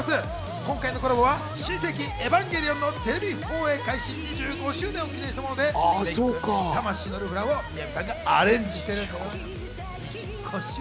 今回のコラボは『新世紀エヴァンゲリオン』のテレビ放映開始２５周年を記念したもので、名曲『魂のルフラン』をＭＩＹＡＶＩさんがアレンジしたものです。